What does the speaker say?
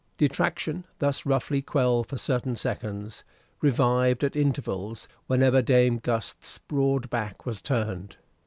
Detraction, thus roughly quelled for certain seconds, revived at intervals whenever Dame Gust's broad back was turned.